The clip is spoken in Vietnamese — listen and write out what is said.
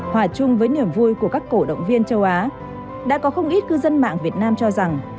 hòa chung với niềm vui của các cổ động viên châu á đã có không ít cư dân mạng việt nam cho rằng